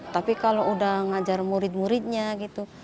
tapi kalau sudah mengajar murid muridnya gitu